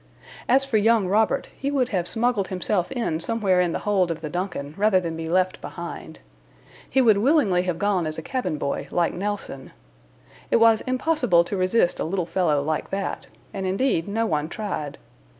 As for young Robert, he would have smuggled himself in somewhere in the hold of the DUNCAN rather than be left behind. He would willingly have gone as cabin boy, like Nelson. It was impossible to resist a little fellow like that, and, indeed, no one tried.